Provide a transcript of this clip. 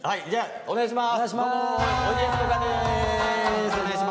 お願いします。